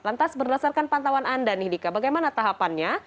lantas berdasarkan pantauan anda nih dika bagaimana tahapannya